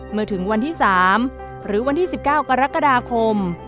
เมื่อถึงวันที่๓หรือวันที่๑๙กรกฎาคม